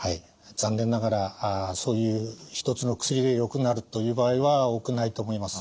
残念ながらそういう一つの薬でよくなるという場合は多くないと思います。